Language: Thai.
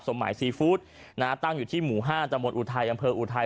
สมหมายซีฟู้ดตั้งอยู่ที่หมู่๕ดาวน์อุทายอาหรืออุทาย